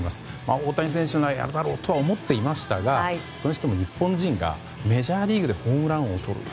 大谷選手ならやるだろうとは思っていましたがそれにしても日本人がメジャーリーグでホームラン王をとる。